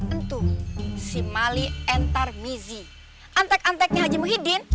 itu si malik dan tarmizi antek anteknya haji muhyiddin